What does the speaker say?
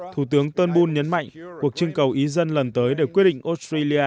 thủ tướng turnbull nhấn mạnh cuộc trưng cầu ý dân lần tới để quyết định australia